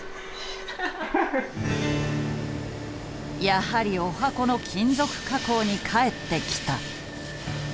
やはりおはこの金属加工に帰ってきた。